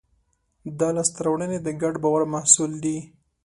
دا لاستهراوړنې د ګډ باور محصول دي.